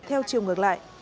theo chiều ngược lại